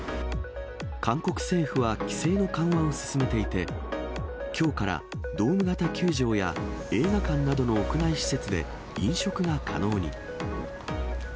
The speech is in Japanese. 韓国政府は規制の緩和を進めていて、きょうからドーム型球場や映画館などの屋内施設で飲食が可能に。